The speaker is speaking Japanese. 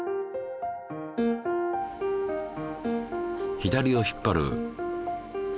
左を引っ張る。